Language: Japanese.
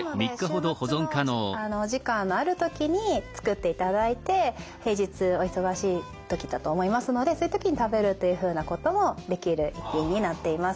なので週末のお時間のある時に作っていただいて平日お忙しい時だと思いますのでそういう時に食べるというふうなこともできる一品になっています。